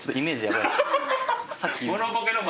さっきも。